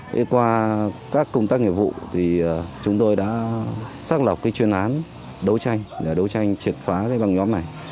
thế qua các công tác nghiệp vụ thì chúng tôi đã xác lập cái chuyên án đấu tranh để đấu tranh triệt phá cái băng nhóm này